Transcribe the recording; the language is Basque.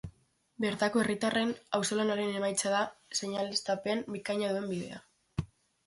Bertako herritarren auzolanaren emaitza da seinaleztapen bikaina duen bidea.